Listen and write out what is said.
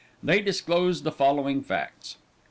They disclosed the following facts.